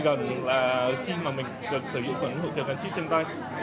gần là khi mà mình được sử dụng tấm hộ chiếu gắn chip trên tay